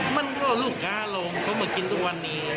มันก็ลูกค้าลงเขามากินทุกวันนี้